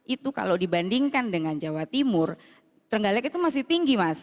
itu kalau dibandingkan dengan jawa timur terenggalek itu masih tinggi mas